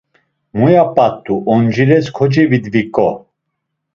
Muya p̌at̆u, oncires kocevidviǩo.